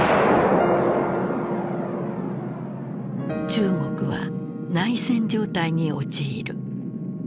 中国は内戦状態に陥る。